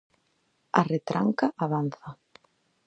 A retranca avanza.